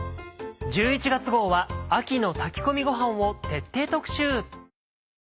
１１月号は秋の炊き込みごはんを徹底特集。